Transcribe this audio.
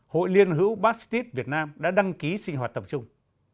tuyên hữu baptist việt nam đã đăng ký sinh hoạt tổng chung